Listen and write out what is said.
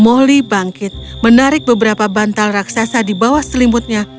mohli bangkit menarik beberapa bantal raksasa di bawah selimutnya